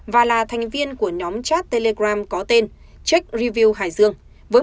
và là thành viên của nhóm chat telegram có tên check review hải dương